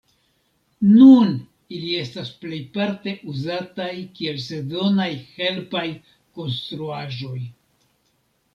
Nun ili estas plejparte uzataj kiel sezonaj helpaj konstruaĵoj.